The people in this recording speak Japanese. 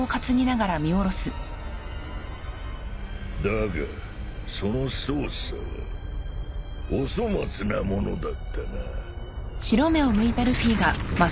だがその操作はお粗末なものだったな。